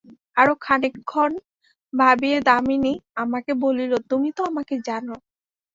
আরো খানিকক্ষণ ভাবিয়া দামিনী আমাকে বলিল, তুমি তো আমাকে জান?